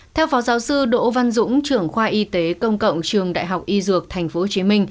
theo phó giáo sư đỗ văn dũng trưởng khoa y tế công cộng trường đại học y dược tp hcm